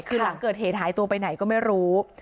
คือหลังเกิดเหตุหายตัวไปไหนก็ไม่รู้